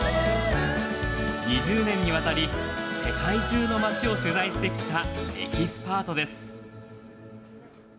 ２０年にわたり世界中の町を取材してきたエキスパートです。